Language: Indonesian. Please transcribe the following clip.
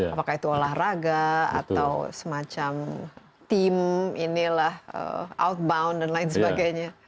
apakah itu olahraga atau semacam team outbound dan lain sebagainya